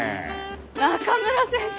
中村先生！